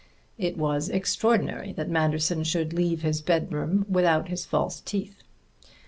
It was extraordinary that Manderson should leave his bedroom without his false teeth.